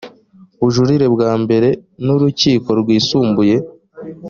bujurire bwa mbere n urukiko rwisumbuye